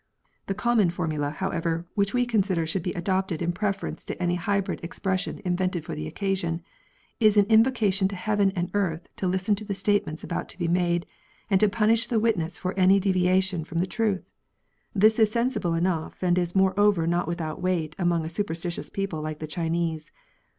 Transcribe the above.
The common formula, however, which we consider should be adopted in preference to any hybrid expres sion invented for the occasion, is an invocation to heaven and earth to listen to the statements about to be made, and to punish the witness for any deviation from the truth. This is sensible enough, and is more over not without weight among a superstitious people like the Chinese.